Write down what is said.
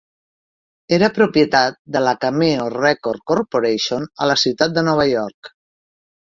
Era propietat de la Cameo Record Corporation a la ciutat de Nova York.